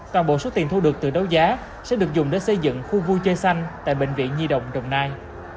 toàn bộ số tiền thu được từ đấu giá sẽ được dùng để xây dựng khu vui chơi xanh tại bệnh viện nhi đồng đồng nai